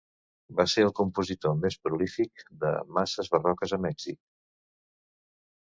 Va ser el compositor més prolífic de masses barroques a Mèxic.